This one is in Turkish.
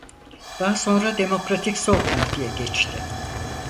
Daha sonra Demokratik Sol Parti'ye geçti.